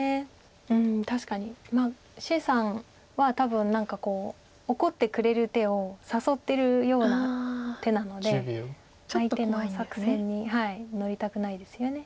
確かに謝さんは多分何か怒ってくれる手を誘ってるような手なので相手の作戦に乗りたくないですよね。